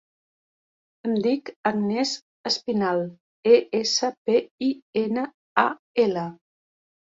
Em dic Agnès Espinal: e, essa, pe, i, ena, a, ela.